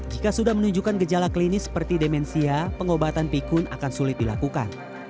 jika sudah menunjukkan gejala klinis seperti demensia pengobatan pikun akan sulit dilakukan